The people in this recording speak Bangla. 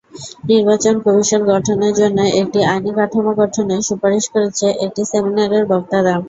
নির্বাচন কমিশন গঠনের জন্য একটি আইনি কাঠামো গঠনের সুপারিশ করেছে একটি সেমিনারের বক্তারা।